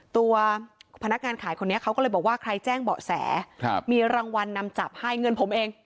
ตัวพนักงานขายคนนี้เขาก็เลยบอกว่าใครแจ้งเบาะแสมีรางวัลนำจับให้เงินผมเอง